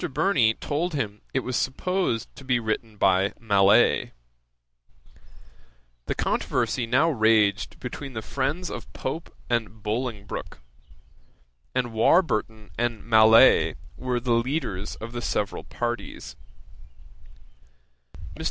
Burney told him it was supposed to be written by Mallet. The controversy now raged between the friends of Pope and Bolingbroke; and Warburton and Mallet were the leaders of the several parties. [Page 330: The Idler. A.D. 1758.] Mr.